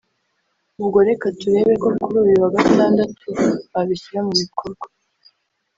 ubwo reka turebe ko kuri uyu wa Gatandatu babishyira mu bikorwa”